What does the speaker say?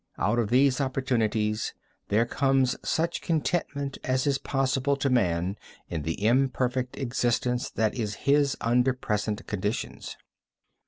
Out of these opportunities there comes such contentment as is possible to man in the imperfect existence that is his under present conditions.